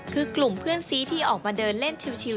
คือกลุ่มเพื่อนซีที่ออกมาเดินเล่นชิล